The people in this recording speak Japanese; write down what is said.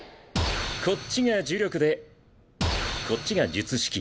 こっちが呪力でこっちが術式。